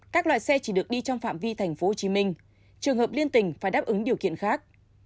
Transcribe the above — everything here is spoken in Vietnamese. các loại xe chỉ được đi trong phạm vi thành phố hồ chí minh trường hợp liên tình phải đáp ứng điều kiện khác